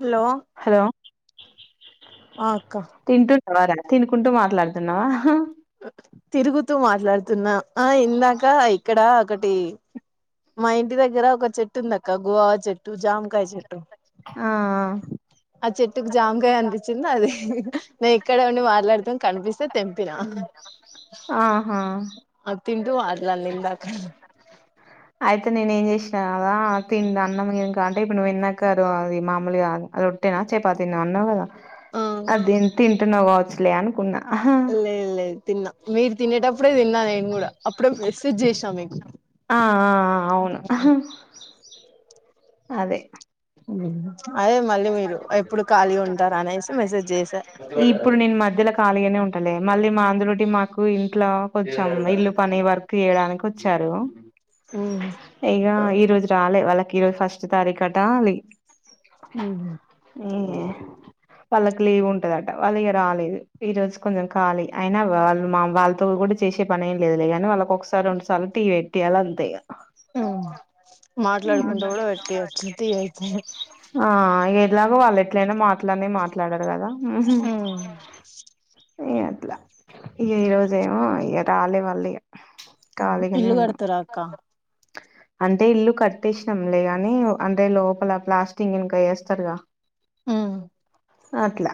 Hello hello ఆ అక్క తింటున్నావా రా తినుకుంటూ మాట్లాడుతున్నావా తిరుగుతూ మాట్లాడుతున్నా ఆ ఇందాక ఇక్కడ ఒకటి మా ఇంటి దగ్గర ఒక చెట్టు ఉందక్క గువావ చెట్టు జామకాయ చెట్టు ఆ ఆ ఆ చెట్టుకు జామకాయ్ కనిపించింది అది నేను ఇక్కడే ఉండి మాట్లాడుతాన కనిపిస్తే తెంపినా ఆహా అది తింటూ మాట్లాడిన నిందాకా [inaudible] అయితే నేను ఏం చేసినా కదా తిన్న అన్నం కాదూ అంటే ఇప్పుడు నువ్వు వెన్నక్కారు అది మామూలుగా కాదు ఆ రో ట్టేనా చపాతిన్నా అన్నావు కదా ఆ అది తింటున్నావు కావచ్చులే అనుకున్నా లేదు లేదు తిన్నా మీరు తినేటప్పుడే తిన్నా నేను కూడా అప్పుడే మెసేజ్ చేసినా మీకు ఆ ఆ అవును అదే అదే మళ్ళీ మీరు ఎప్పుడు ఖాళీ ఉంటారు అనేసి మెసేజ్ చేసా ఇప్పుడు నేను మధ్యలో ఖాళీగానే ఉంటలే మళ్ళీ మా అందులోటి మాకు ఇంట్లో కొంచెం ఇల్లు పనే వరకు తీయడానికి వచ్చారు ఇక ఈరోజు రాలే వాళ్ళకి ఈరోజు ఫస్ట్ తారీఖట అది మ్ ఏ వాళ్ళకి లీవ్ ఉంటదట వాళ్ళకి రాలేదు ఈ రోజు కొంచెం కాలిీ అయినా వాళ్ళు మా వాళ్ళతో కూడా చేసే పని ఏం లేదులేగాని వాళ్ళకు ఒకసారి రెండుసార్లు టీ పెట్ేయాలి అంతే ఇగ మ్ మాట్లాడుకుంటా కూడా పెట్టియ్యొచ్చు టి అయితే ఆ ఎలాగో వాళ్ళు ఎట్లయినా మాట్లానే మాట్లాడారు కదా ఇగ అట్లా ఇగ ఈ రోజేమో ఇగ రాలే వాళ్ళు ఇగ కాలీగానే ఇల్లు ఉన్నాం కడతారా అక్క అంటే ఇల్లు కట్టేసినాం లేగా నీ అంటే లోపల ప్లాస్టింగ్ ఇంకా వేస్తారుగా అట్లా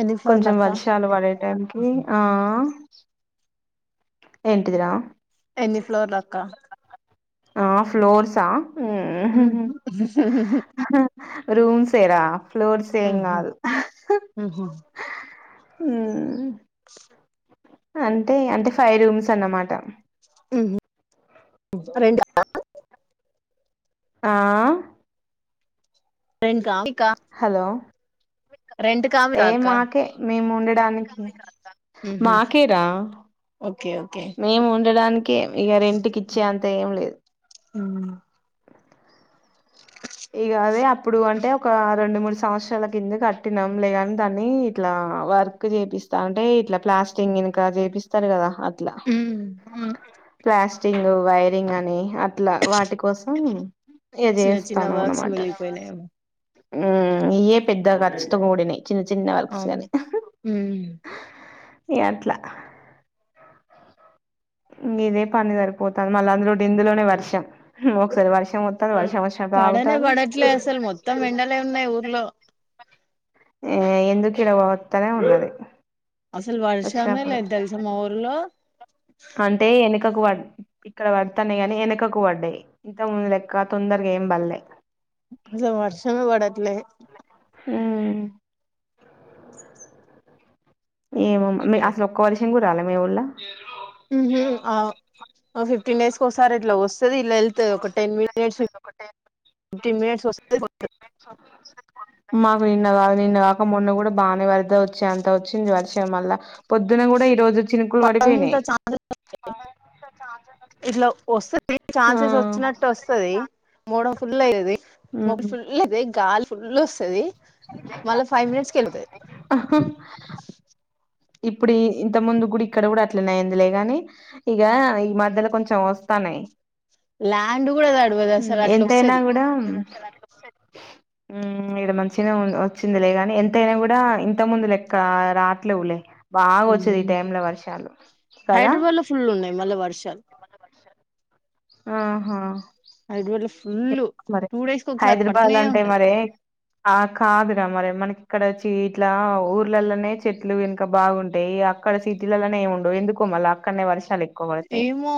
ఎన్ని ఫ్లోర్లు కొంచెం అక్క వర్షలు పడే టైంకి ఆ ఏంటిదిరా ఎన్ని ఫ్లోర్ లక్క ఆ ఫ్లోర్సా రూమ్స్ ఎరా ఫ్లోర్స్ ఏం ఉహు కాదు ఉహు మ్ అంటే అంటే ఫైవ్ రూమ్స్ అన్నమాట మ్ రెండా ఆ రేడ్ క హలో మీకా ఏ అక్క మాకే మేము ఉండడానికి మ్ హు మాకేరా ఓకే ఓకే మేము ఉండడానికి ఇగ రెంట్ కిచ్చే అంత ఏం లేదు మ్ ఇగ అదే అప్పుడు అంటే ఒక రెండు మూడు సంవత్సరాల కింద కట్టినాం లేదని దాన్ని ఇట్లా వర్క్ చేపిస్తా అంటే ఇట్లా ప్లాస్టిక్ ఇనుక చేపిస్ ారు కదా అట్లా ప్లాస్ ంగ్ వైరింగ్ అని అట్లా వాటి కోసం ఇగ చెస్ ఇల వర్క్స్ మిలిపోయినై ఏమో మ్ ఇయ్యే పెద్ద ఖర్చుతో కూడినయి చిన్న చిన్న వర్క్స్ అవును గాని ఉమ్ ఇగ అట్లా ఇంగ ఇదే పని సరిపోతాంది మళ్ళీ అందులో ఇందులోనే వర్షం ఒకసారి వర్షం వస్తుంది వర్షం వచ్ సేపు అగుతళ్ళు న్నయి ఊర్లో ఏ ఎందుకు ఇడవత్తనే ఉన్నది అసలు వర్షమే వచ్చినప్పుడు లేదు తెలుసా మా ఊర్లో అంటే ఏనుకకు పడ్ ఇక్కడ పడతానై గాని వెనకకు పడ్డాయి ఇంత ముందు లెక్క తొందరగా ఏం పల్లే అసలు వర్షమే పడట్లే మ్ ఏమొ మ్మా అసలు ఒక వర్షం కుడా రాలె మీ ఊళ్ళ మ్ హు అ ఆ ఫిఫ్టీన్ డేస్ కోసారి ఇట్లా వస్తది ఇలా వె ఫిఫ్టీన్ మినిట్స్ వస్తది [unintelligible] మాకు నిన్న కాదు నిన్న కాక మొన్న కూడా బానే వరద వచ్చి అంత వచ్చి వర్షం మళ్ళ పొద్దున కూడా ఈ రోజు చినుకులు పంత పడిపోయినాయి చా [unintelligible] ఇట్లా వస్తే త్ర ఆ ఛాన్సెస్ వచ్చినట్టు వస్తది మోడో ఫుల్ అయ్యది మేడ్ ఫుల్ లే గాలి ఫుల్ వస్తది మళ్ళా ఫైవ్ మినిట్స్ కి వెళ్తది ఆ ఇప్పుడు ఇంత ముందుకు కూడా ఇక్కడ కూడా అట్లనేయిందిలే గాని ఇగ ఈ మధ్యలో కొంచెం వస్తాన్నయి ల్యాండ్ కూడా తడవదు అసలు అట్లా ఎంతయినా వస్తది కూడా ఇడ మంచిగానే వచ్చిందిలేగాని ఎంతైనా కూడా ఇంత ముందు లెక్క ఇంకా రావట్లేవులే బాగా వచ్చేది ఈ టైమ్ లో వర్షాలు కదా ఫుళ్లు ఉన్నాయి మళ్ళ వర్షాలు ఆహా హైదరాబాద్ లో ఫుల్ ఎక్కు మరి టూ డేస్ కి ఒకసారి హైదరాబాద్ పడుతనే అంటే ఉంటది మరి ఆ కాదురా మరి మనకి ఇక్కడోచ్చ ఇట్లా ఊర్లలోనే చెట్లు ఇంకా బాగుంటాయి అక్కడ సిటీలలోనే ఎం ఉండవు ఎందుకు మల్ల అక్కడనే వర్షాలు ఎక్ ఏమో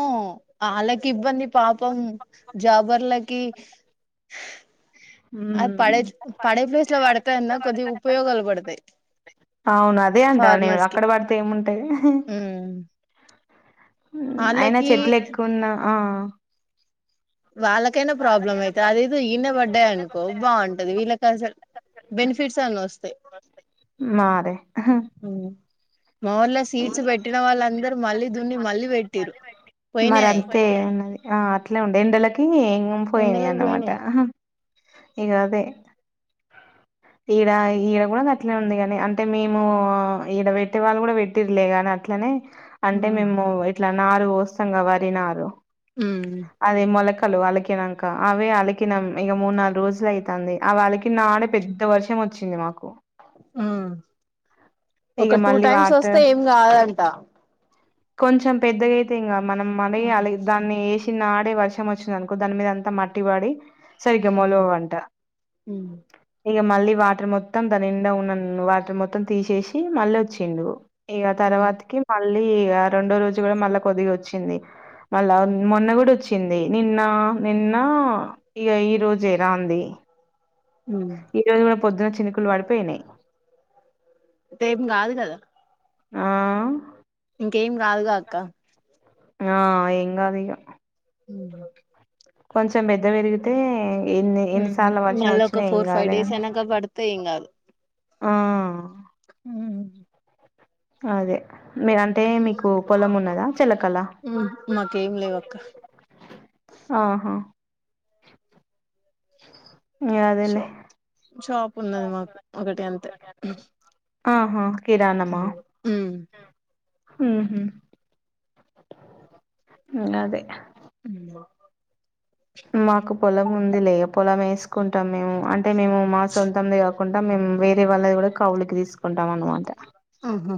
ఆళ్ళకి ఇబ్బంది పాపం జాబర్లకి అది పడే ఉమ్. పడే ప్లేస్ లో పడతాన్నా కొద్దిగా ఉపయోగాలు పడతాయి అవును అదే అంటన్న నేను ఫార్మర్స్ కి అక్కడ పడితే ఏముంటాయి అయినా ఆళ్ళకి చెట్లు ఎక్కువ ఉన్నా ఆ వాళ్ళకైనా ప్రాబ్లం అయితది అది ఏదో ఇయనే పడ్డాయి అనుకో బాగుంటది వీళ్ళకి అసలు బెనిఫిట్స్ అన్ని వోస్తాయి మారీ మా ఊళ్ళ సీట్స్ పెట్టినా వాళ్ళందరు మళ్ళీ దున్ని మళ్ళీ పెట్టి మరి అంతే ఉన్నది ఆ అట్లా ఉండే ఎండలకి పోయినయి ఎండలకు అన్నమాట పోయినాయి ఇగా అదే ఈడ ఈడ కూడా అట్లే ఉంది గాని అంటే మేము ఈడ పెట్టే వాళ్ళు కూడా పెట్టిర్రు లే గాని అట్లానే అంటే ఉమ్ మేము ఇట్లా నారు పోస్తాంగా వరి నారు అది మొలకలు అలీకినంక అవే అలికినం ఇగా మూడు నాలుగు రోజులు అయితంది అవి అలికిన నాడే పెద్ద వర్షం వచ్చింది మాకు ఒక ఇక టూ మళ్ళీ టైమ్స్ వస్తే వాటర్ ఏం కాదంట కొంచెం పెద్దగాయితే ఇంగా మనం ఉమ్ మనాయి దాన్ని వేసి నాడే వర్షం వచ్చిందినుకో దాని మీద అంతా మట్టి వాడి సరిగ్గా మోలువంట ఉ ఇగా మళ్ళీ వాటర్ మొత్తం దని నిండా ఉన్న వాటర్ మొత్తం తీసేసి మళ్ళీ ఓచ్చిండు ఇగా ఉమ్ తర్వాతకి మళ్ళీ ఇగా రెండో రోజు కూడా మళ్ళా కొద్దిగా వచ్చింది. మళ్ళా మొన్న కూడా వచ్చింది. నిన్న నిన్న ఇగా ఈ రోజె రాంది ఉ ఈ రోజు పొద్దున చిన్నకులు వాడిపోయినాయి అయితే ఏం కాదు కదా ఆ ఇంకేం కాదుగా అక్క ఆ ఎం గదు ఇగా ఉ కొంచెం పెద్ద పెరిగితే ఎన్ని ఉమ్ ఎన్నిసార్లు వర్షం మళ్ళ ఒక వచ్చినా ఏం ఫోర్ ఫైవ్ డేస్ కావలేదండి అయినాక పడితే ఏం ఆ హు అదే మీ అంటే మీకు పొలం ఉన్నదా చిలకల ఉమ్, మాకేం లేవు అక్క ఆహ ష అదేలే షాప్ ఉన్నది మాకు ఒకటి అంతే ఆహ కిరాణమా ఉమ్ ఊహు అదే ఉ మాకు పొలం ఉంది లే పొలం వేసుకుంటాం మేము అంటే మేము మా సొంతం ది కుంటాం మేము వేరే వాళ్ళది కూడ కవులుకి తీసుకుంటాం అనమాట ఊహు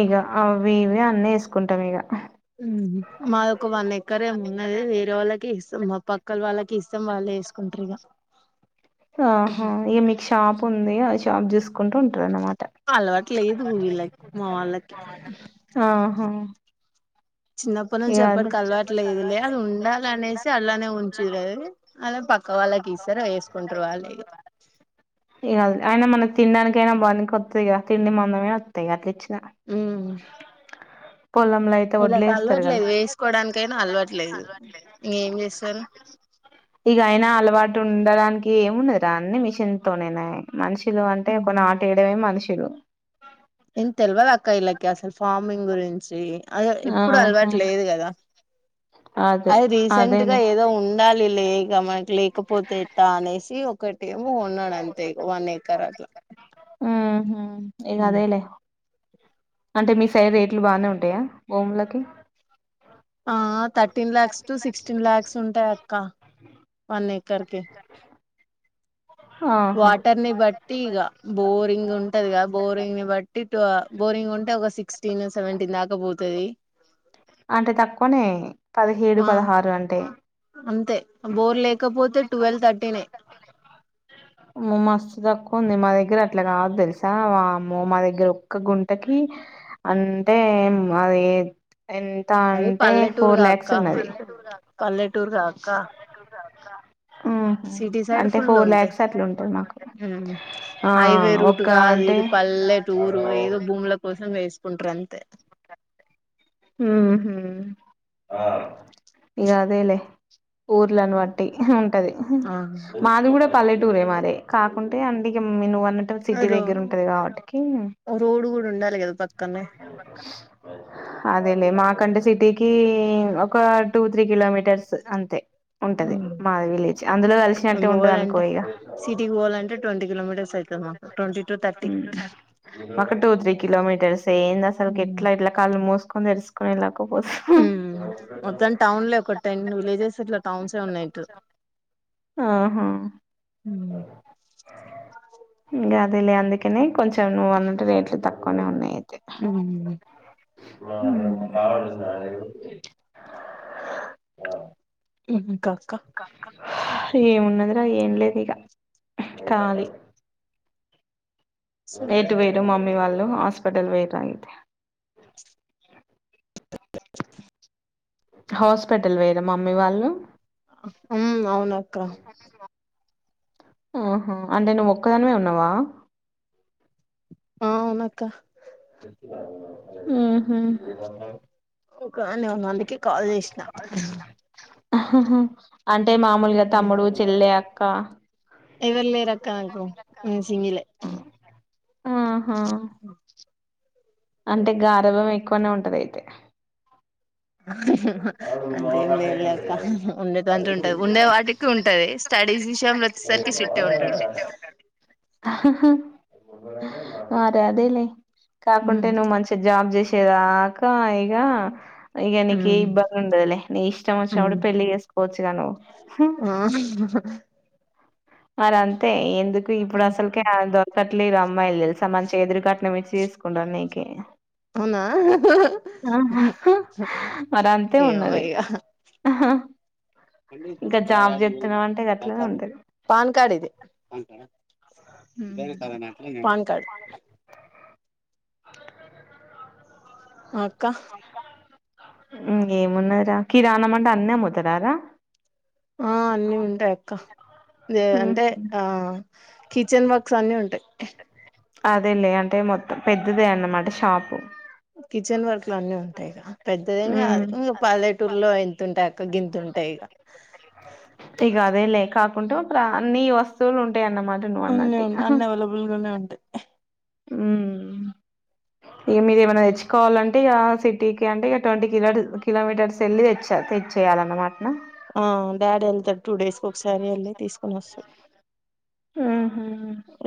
ఇగ వ్ ఇవి అన్నీ వేసుకుంటాం ఇక మాదిొ ఒక వన్ ఎక్కర్ ఏవో ఉన్నది వేరే వాళ్ళకి ఇస్తం మా పక్క క్కలు వాళ్ళకి ఇస్తాం వాళ్లె వసుకుంటారు ఇక ఆహా ఇక మీకు షాప్ ఉంది ఆ షాప్ చూసుకో కంటూ ఉంటది అన్మాట అలవాటు లేదు వీళ్ళకి మా వాళ్ళకి ఆహా చిన్నప్పటి నుంచి ఇగ అదే ఎవ్వరికి అలవాట్లేదులే అది ఉండాలి అనేసి అలానే ఉ [unintelligible] అది పక్క వాళ్ళకి ఇస్తారా వేసుకుంటారు ఇగ వాళ్లె ఇగ అది అయినా మనకి తినడానికి అయినా బనికొస్తాయి. కదా తిండి మమనా వస్తాయి అట్ ఉమ్ పొలంలో అయిత తే వడ్లు వీళ్ళకి వేస్తారు కదా అలవట్లేదు వేసుకోవడానికైనా అలవట్లేదు ఇంకేం చేస్తారు ఇగ అయినా అలవాటు ఉండడానికి ఏముండదిరా అన్ని మిషన్ తొనే మనుషులు అంటే ఒక నాటేయడమే మనుషులు ఏం తెల్వదా అక్క ఇల్లకి అసలు ఫార్మింగ్ గురించి అది ఎప్పుడు ఆహా అలవాటు లేదు కదా అదే అది రీసెంట్ గా అదేలే ఏదో ఉం డాలిలే ఇగ మనకి లేకపోతే ఎట్ట అనేసి ఒకట ఏం ఉన్నాడు అంతే వన్ ఏకర్ అట్లా ఉహు ఇక అదేలే అంటే మీ సైడ్ రేట్లు బానే ఉంటాయ భూములకి ఆ thirteen lakhs to sixteen lakhs ఉంటాయి అక్క వన్ ఏకర్ కి అహ్ వాటర్ని బట్ టీ ఇగా బోరింగ్ ఉంటది కదా బోరింగ్ ని బట్టి టు బోరింగ్ ఉంటే ఒక సిక్స్ టీన్ సెవెంటీన్ దాక పోతు ది అంటే తక్కువనే పదిహేడు పదహారు అంటే అంతే బోర్ లేకపోతే ట్వెల్వ్ థర్టీనే అ మస్తు తక్కువ ఉంది మా దగ్గర అట్లా కాదు తెల్సా వామ్మో మా దగ్గర ఒక్క గుంటకి అంటే మాది ఎంత అయి అంటే ఫోర్ లాక్స్ ఉన్నది పల్లెటూర్గ అక్క ఊహు సిటీ సైడ్ అంటే ఫుల్ ఫోర్ ఉంటాయి ల్యాక్స్ అట్లా ఉంటది మాకు ఆ హైవే రూట్ ఒక్క కాదు అంటే ఇది పల్లెటూరు ఏదో భూమిల కోసం వేసుకుంటరు అంతే ఊహు ఇక అదేలే ఊరిలను బట్టి ఉంటది ఆ మాది కూడా పల్లెటూరే మరి కాకుంటే అంటికి మినువన్ టో సిటీ రో దగ్గర ఉంటది కాబట్టికి రోడ్ కూడా ఉండాలి కదా పక్కనే అదేలే మాకంటే సిటీకి ఒక టూ త్రీ కిలోమీటర్స్ అంతే ఉంటది మాది విలేజ్ అందులో మేము కలిసినట్టే ఉంటది అనుకో పోవాలంటే ఇగ టొంటీ టు తర్టీ ఒక టూ త్రీ కిలోమీటర్స్ ఏంది అసలు మ్మ్ ఎట్లా ఇట్లా కళ్ళు మూసుకొని తెరుసుకొని వెళ్లాక పో ఉమ్ మొత్తం టౌన్లే ఒక టెన్ విలేజెస్ ఇట్లా టౌన్సే ఉన్నాయి ఇటు ఆహా ఇంకా అదిలే అందుకనే కొంచెం నువ్వు అన్నట్టే రేట్లు తక్కువనే ఉన్నాయి అయితే ఉమ్ [unintelligible] ఊహూ ఇంకా అక్క ఏమున్నదిరా ఏం లేదు ఇగ ఖాళీ బైటు పొయిర్రు మమ్మీ వాళ్ళు హాస్పెటల్ పొయ్యిర్రు అంతే హాస్పెటల్ పొయ్యిర్రా మమ్మీ వాళ్ళు ఉమ్ అవునక్క [inaudible] ఓహో అంటే నువ్వు ఒక్కదానినే ఉన్నావా అవునక్క ఊహూ ఒకదానే ఉన్నా అందుకే కాల్ చేసినా అంటే మామూలుగా తమ్ముడు చెల్లె అక్క ఇవరు లేరు అక్క నాకు నేను సింగిలే ఆహా అంటే గారభం ఎక్కువనే ఉంటది అయితే అ అంతేం లేదులే అక్క ఉండేటివాంటి ఉంటది ఉండే వాటికి ఉంటది స్టడీస్ విషయంంలో వచ్చే సరికి సి ట్టే ఉంటడు మరి అదేలే కాకుంటే ఉమ్, నువ్వు మంచి జాబ్ చేసేదాక ఇగ ఇగ నీకు ఏ ఉమ్, ఇబ్బ లుండదులే నీ ఇష్టం వచ్చినప్పుడు ఉమ్, పెళ్ళి చేసుకోవచ్చుగా నువ్ ఆ మరి అంతే ఎందుకు ఇప్పుడు అంతే అసలుకే ఆందో క్కట్లేరు అమ్మాయిలు తెలుసా మంచిగా ఎదురుకట్నం ఇచ్చి చేసుకుంటారు నీకే అవునా ఆహా మరి అంతే ఏమో ఉన్నది ఇగ ఆహా ఇంకా జాబ్ చేస్తున్నావు అంటే గట్లనే ఉంటది పాన్ కార్డ్ ఇది పాన్ కార్డ్ ఆ అక్క ఏం ఉన్నదిరా కిరాణం అంటే అన్నీ అముతారా రా ఆ అన్నీ ఉంటాయి అక్క ఏ అంటే ఆ కిచెన్ వర్క్స్ అన్నీ ఉంటాయి అదేలే అంటే మొత్తం పెద్దదే అన్నమాట షాపు కిచెన్ వర్క్ లు అన్నీ ఉంటాయి ఇగ పెద్దదేం ఉమ్ కాదు ఇంకా పల్దేటూర్లో ఇ తుంటాయి అక్క గింతుంటాయి ఇక టిగ అదేలే కాకుంటే [unintelligible] అన్నీ వస్తువులు ఉంటాయి అన్నమా అవునవును అన్నీ అవైలబుల్ గానే ఉంటాయి. ఊమ్ ఇగ మీరేమన్నా తెచ్చుకోవాలంటే ఇగ సిటీకి అంటే ఇగ ట్వంటీ కిలో టీ కిలోమీటర్స్ వెళ్ళి తెచ్చా తెచ్ చెయ్యాలన్నమాటనా? ఆ డాడీ వెళ్తాడు టూ డేస్ కి ఒకసారి వెళ్ళి తీసుకొని వస్తాడు. ఉహు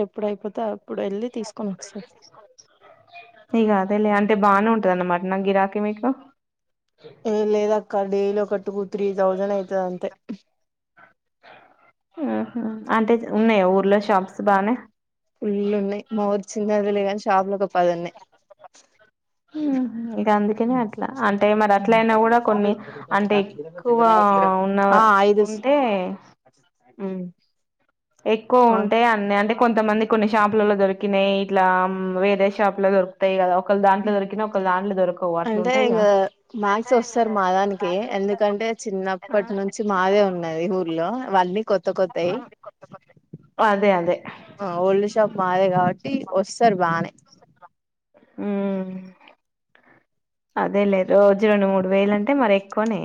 ఎప్పుడయిపోతే అప్పుడు వెళ్లి తీసుకొని వస్తాడు. ఇగ అదేలే అంటే బానే ఉంటది అన్నమాటనా గిరాకీ మీకు? యే లేదక్క డైలీ ఒక టూ త్రీ థౌజండ్ అయితది అంతే. ఊహూ అంటే ఉన్నాయా ఊర్లో షాప్స్ బానే? ఫుల్లున్నాయి మా ఊరు చిన్నదిలే గాని షాపులు ఒక పది ఉన్నాయి. ఊహ్ ఇంక అందుకనే అట్లా అంటే మరి అట్ల అయినా గూడా కొన్ని అంటే ఎక్కువ ఉన్న ఉంటే ఊమ్ ఎక్కువ ఉంటాయి అన్ని అంటే కొంతమంది కొన్ని షాపులలో దొరి కనే ఇట్లా వేరే షాప్ లో దొర్ తాయి గదా ఒకళ్ళ దాంట్లో దొరికిన ఒకళ్ళ దాంట్లో దొరకవు అట్లు అంటే ఉంటాయిగా కే ఎందుకంటే చిన్నప్పటి నుంచి మాదే ఉన్నది ఊర్లో ఇవన్నీ కొత్త కొత్ అదే అదే ఆ ఓల్డ్ షాప్ మాదే కాబట్టి వస్తారు బానే. ఊమ్ అదేలే రోజు రెండు మూడు వేలు అంటే మరి ఎక్కువనే.